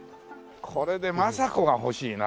これで政子が欲しいな。